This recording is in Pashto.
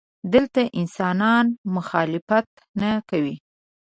دلته انسانان مخالفت نه کوي.